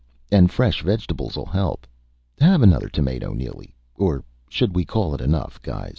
And fresh vegetables'll help.... Have another tomato, Neely. Or should we call it enough, guys?"